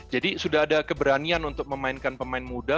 jadi sudah ada keberanian untuk memainkan pemain muda